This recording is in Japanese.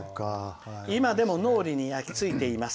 今でも脳裏に焼きついています。